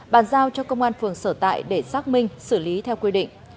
bàn giao cho công an phường sở tại để xác minh xử lý theo quy định